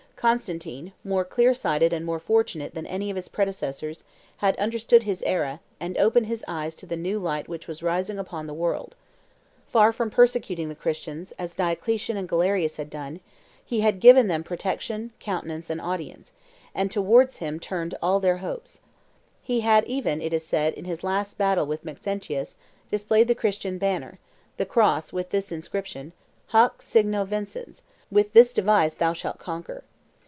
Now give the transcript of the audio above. Constantine, more clear sighted and more fortunate than any of his predecessors, had understood his era, and opened his eyes to the new light which was rising upon the world. Far from persecuting the Christians, as Diocletian and Galerius had done, he had given them protection, countenance, and audience; and towards him turned all their hopes. He had even, it is said, in his last battle against Maxentius, displayed the Christian banner, the cross, with this inscription: Hoc signo vinces ("with this device thou shalt conquer